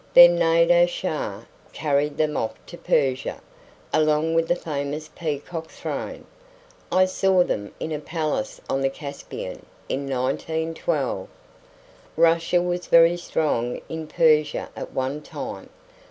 Then Nadir Shah carried them off to Persia, along with the famous peacock throne. I saw them in a palace on the Caspian in 1912. Russia was very strong in Persia at one time.